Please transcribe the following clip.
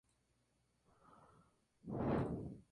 Fruto peludo cuando jóvenes, glabros cuando está maduro.